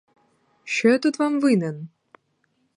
Що я тут вам винен?